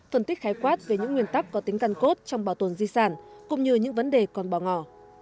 phân tích khái quát về những nguyên tắc có tính căn cốt trong bảo tồn di sản cũng như những vấn đề còn bỏ ngỏ